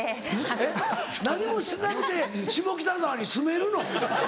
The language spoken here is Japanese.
えっ何もしてなくて下北沢に住めるの？